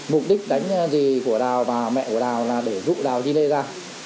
mục đích đánh dì của đào và mẹ của đào là để rụ đào chi lê ra